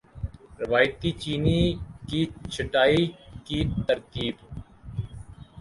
روایتی چینی کی چھٹائی کی ترتیب